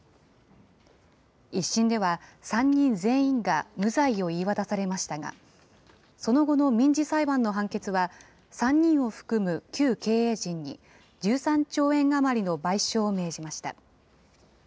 １審では、３人全員が無罪を言い渡されましたが、その後の民事裁判の判決は、３人を含む旧経営陣に１３兆円余りの賠償を命じました。